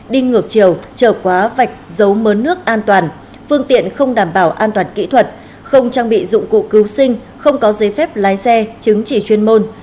đi ngược chiều trở quá vạch giấu mớn nước an toàn phương tiện không đảm bảo an toàn kỹ thuật không trang bị dụng cụ cứu sinh không có giấy phép lái xe chứng chỉ chuyên môn